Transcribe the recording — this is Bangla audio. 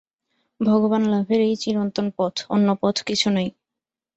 ভগবানলাভের এই চিরন্তন পথ, অন্য পথ কিছু নাই।